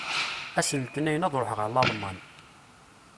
Ass n letnayen, ad ṛuḥeɣ ar Lalman.